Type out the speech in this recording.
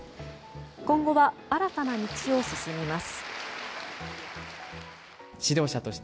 今後は、新たな道を進みます。